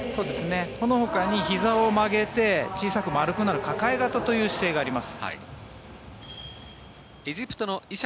このほかにひざを曲げて小さく丸くなる抱え型という姿勢があります。